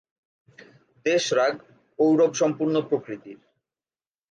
দেশ রাগ ঔড়ব-সম্পূর্ণ প্রকৃতির।